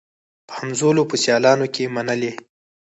په همزولو په سیالانو کي منلې